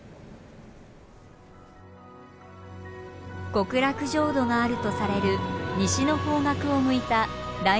極楽浄土があるとされる西の方角を向いた大文字山の斜面。